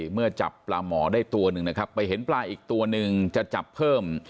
เมื่อจับปลาหมอได้ตัวหนึ่งนะครับไปเห็นปลาอีกตัวหนึ่งจะจับเพิ่ม